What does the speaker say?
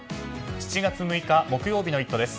７月６日、木曜日の「イット！」です。